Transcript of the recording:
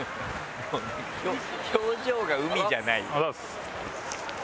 表情が海じゃない。